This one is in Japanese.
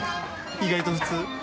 意外と普通？